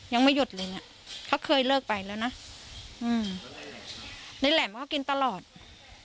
ยังไม่หยุดเลยเนี่ยเขาเคยเลิกไปแล้วนะอืมได้แหล่มเขากินตลอดอืม